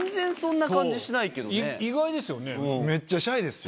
意外ですよね。